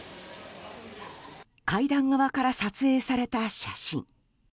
階段側から撮影された写真。